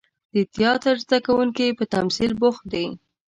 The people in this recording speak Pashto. د تیاتر زده کوونکي په تمثیل بوخت دي.